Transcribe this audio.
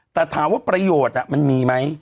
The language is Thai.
แต่ถามว่าประโยชน์มันมีไหม